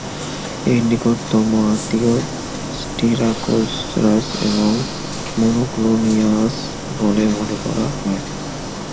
এর নিকটতম আত্মীয় "স্টিরাকোসরাস" এবং "মোনোক্লোনিয়াস" বলে মনে করা হয়।